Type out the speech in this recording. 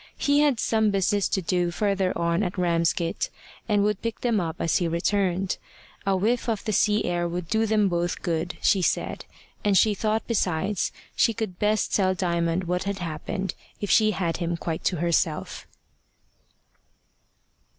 He had some business to do further on at Ramsgate, and would pick them up as he returned. A whiff of the sea air would do them both good, she said, and she thought besides she could best tell Diamond what had happened if she had him quite to herself.